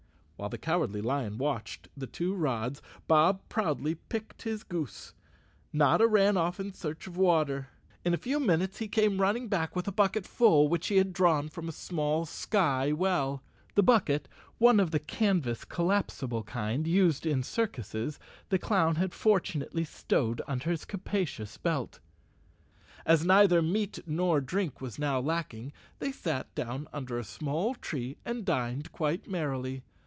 While the Cowardly Lion watched the two rods, and Bob proudly picked his goose, Notta ran off in search of water. In a few minutes he came running back with a bucket full which he had drawn from a small sky well. The bucket, one of the canvas collapsible kind used in circuses, the clown had fortu¬ nately stowed under his capacious belt. As neither meat nor drink was now lacking, they sat down under a small tree and dined quite merrily.